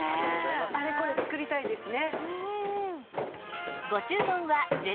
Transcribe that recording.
あれこれ作りたいですね。